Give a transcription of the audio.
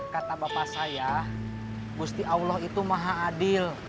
kata bapak saya mesti allah itu maha adil